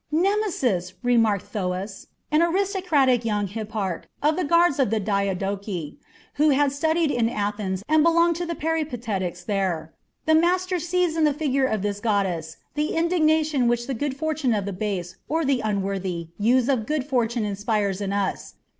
"Nemesis!" remarked Thoas, an aristocratic young hipparch of the guards of the Diadochi, who had studied in Athens and belonged to the Peripatetics there. "The master sees in the figure of this goddess the indignation which the good fortune of the base or the unworthy use of good fortune inspires in us.